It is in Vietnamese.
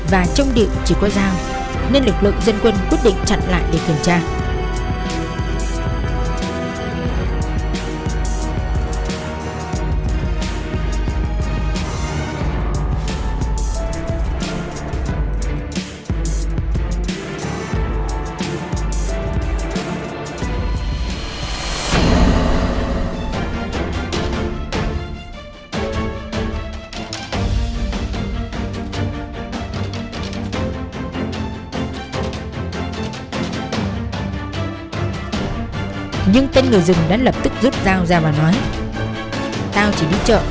và trong địa chỉ có rào nên lực lượng dân quân quyết định chặn lại để kiểm tra